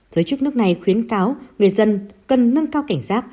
giới chức nước này khuyến cáo người dân cần nâng cao cảnh giác